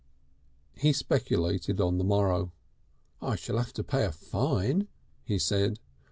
He speculated on the morrow. "I shall 'ave to pay a fine," he said.